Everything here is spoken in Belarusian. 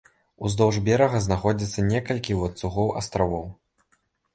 Уздоўж берага знаходзяцца некалькі ланцугоў астравоў.